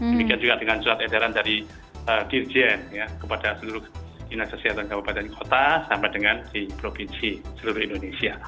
demikian juga dengan surat edaran dari dirjen kepada seluruh dinas kesehatan kabupaten kota sampai dengan di provinsi seluruh indonesia